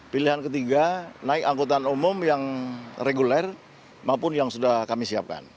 pilihan ketiga naik angkutan umum yang reguler maupun yang sudah kami siapkan